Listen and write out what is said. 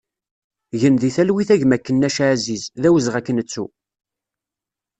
Gen di talwit a gma Kennac Aziz, d awezɣi ad k-nettu!